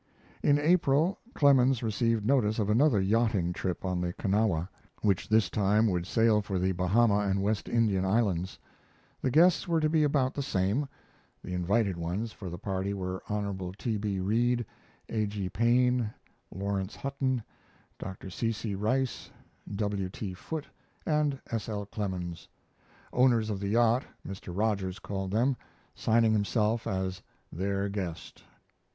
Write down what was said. In April Clemens received notice of another yachting trip on the Kanawha, which this time would sail for the Bahama and West India islands. The guests were to be about the same. [The invited ones of the party were Hon. T. B. Reed, A. G. Paine, Laurence Hutton, Dr. C. C. Rice, W. T. Foote, and S. L. Clemens. "Owners of the yacht," Mr. Rogers called them, signing himself as "Their Guest."